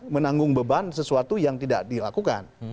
menanggung beban sesuatu yang tidak dilakukan